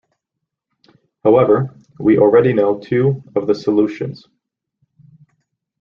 However, we already know two of the solutions.